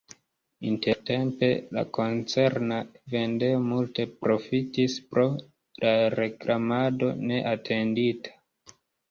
Intertempe la koncerna vendejo multe profitis pro la reklamado neatendita.